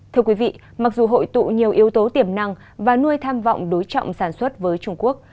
thưa quý vị mặc dù hội tụ nhiều yếu tố tiềm năng và nuôi tham vọng đối trọng sản xuất với trung quốc